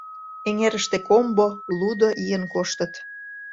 Эҥерыште комбо, лудо ийын коштыт...